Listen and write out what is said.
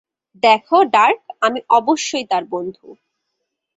দেখো, ডার্ক, আমি অবশ্যই তার বন্ধু।